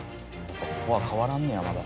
そこは変わらんねやまだ。